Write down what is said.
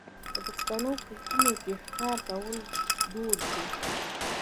د پښتنو په سیمو کې ښکار کول دود دی.